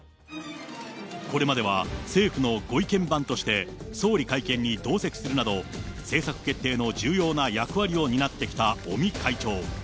これまでは政府のご意見番として、総理会見に同席するなど、政策決定の重要な役割を担ってきた尾身会長。